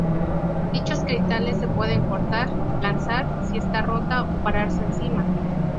Dichos cristales se pueden cortar, lanzar si está rota o pararse encima.